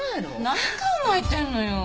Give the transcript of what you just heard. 何考えてんのよ？